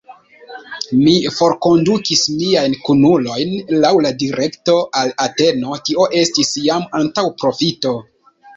Mi forkondukis miajn kunulojn laŭ la direkto al Ateno: tio estis jam antaŭprofito.